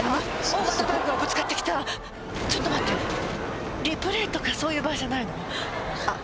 大型バイクがぶつかってきたちょっと待ってＲＥＰＬＡＹとかそういう場合じゃないのあっ